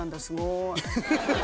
すごい。